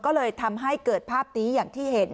ก็เลยทำให้เกิดภาพนี้อย่างที่เห็น